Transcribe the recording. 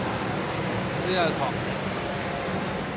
ツーアウト。